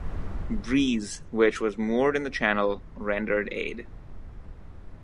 "Breese", which was moored in the channel, rendered aid.